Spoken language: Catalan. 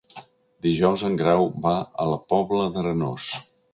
Dijous en Grau va a la Pobla d'Arenós.